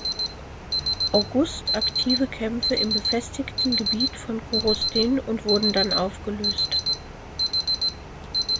August aktive Kämpfe im befestigten Gebiet von Korosten und wurden dann aufgelöst.